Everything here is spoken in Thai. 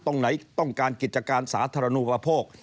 ตรงไหนต้องการกิจการสาธารณูปโภค